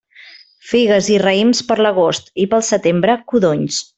Figues i raïms per l'agost, i pel setembre codonys.